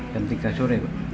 jam tiga sore pak